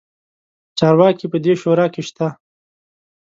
چارواکي په دې شورا کې شته.